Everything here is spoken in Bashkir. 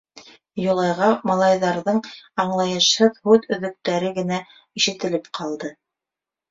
Юлайға малайҙарҙың аңлайышһыҙ һүҙ өҙөктәре генә ишетелеп ҡалды.